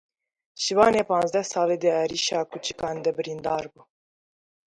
Şivanê panzdeh salî di êrişa kûçikan de birîndar bû.